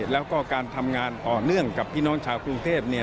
แล้วก็การทำงานต่อเนื่องกับพี่น้องชาวกรุงเทพ